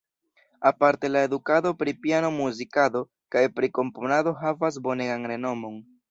Aparte la edukado pri piano-muzikado kaj pri komponado havas bonegan renomon.